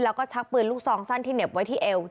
แล้วก็ชักปืนลูกซองสั้นที่เหน็บไว้ที่เอว